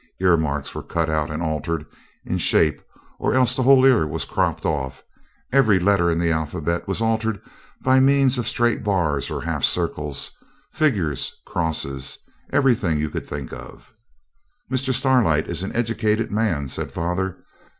Ear marks were cut out and altered in shape, or else the whole ear was cropped off; every letter in the alphabet was altered by means of straight bars or half circles, figures, crosses, everything you could think of. 'Mr. Starlight is an edicated man,' said father.